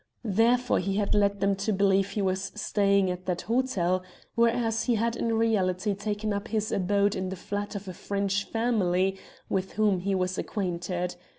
Therefore he had led them to believe he was staying at that hotel, whereas he had in reality taken up his abode in the flat of a French family with whom he was acquainted.